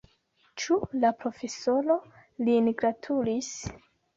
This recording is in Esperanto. Ĉu la profesoro lin gratulis?